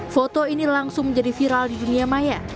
foto ini langsung menjadi viral di dunia maya